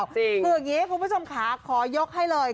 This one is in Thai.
เวิกนี้ให้ผู้ผู้ชมคะขอยกให้เลย